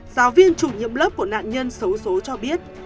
giáo viên chủ nhiệm lớp của nạn nhân xấu xố cho biết